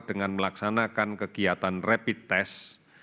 dengan melaksanakan kegiatan rapid test